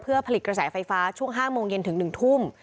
ผลิตกระแสไฟฟ้าช่วง๕โมงเย็นถึง๑ทุ่ม